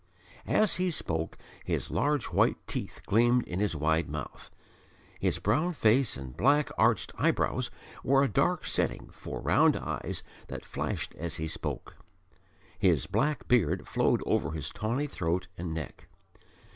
As he spoke his large white teeth gleamed in his wide mouth. His brown face and black arched eyebrows were a dark setting for round eyes that flashed as he spoke. His black beard flowed over his tawny throat and neck.